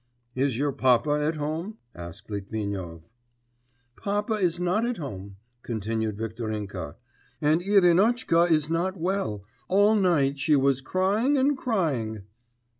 'Is your papa at home?' asked Litvinov. 'Papa is not at home,' continued Viktorinka, 'and Irinotchka is not well; all night long she was crying and crying....